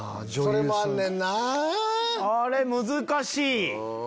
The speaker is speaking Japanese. あれ⁉難しい。